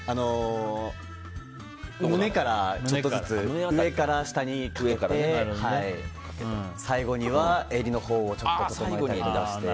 胸からちょっとずつ上から下にかけて最後には襟のほうをちょっと整えたりとかして。